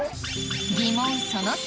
疑問その３。